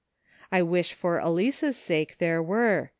I wish, for Elice's sake, there were.